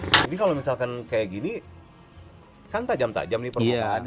jadi kalau misalkan kayak gini kan tajam tajam nih permukaan